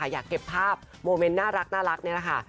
อยากเก็บภาพโมเมนต์น่ารักนี่แหละค่ะ